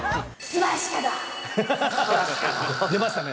出ましたね。